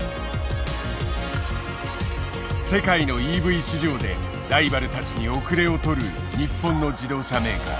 世界のＥＶ市場でライバルたちに遅れをとる日本の自動車メーカー。